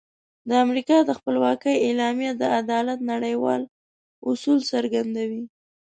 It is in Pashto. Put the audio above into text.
د امریکا د خپلواکۍ اعلامیه د عدالت نړیوال اصول څرګندوي.